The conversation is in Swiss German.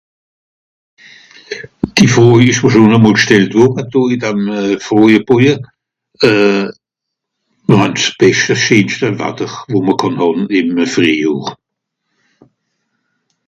Cette question m'a déjà été posée sur ce questionnaire On a le plus beau et meilleur temps qu'on puisse avoir au printemps